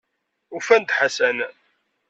Ufan-d Ḥasan.